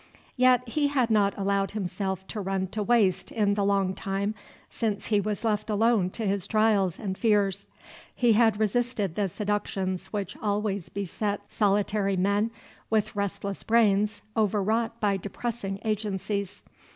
Yet he had not allowed himself to run to waste in the long time since he was left alone to his trials and fears. He had resisted the seductions which always beset solitary men with restless brains overwrought by depressing agencies.